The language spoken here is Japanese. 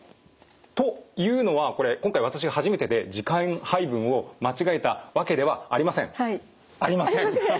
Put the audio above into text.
というのは今回私が初めてで時間配分を間違えたわけではありません。ありません。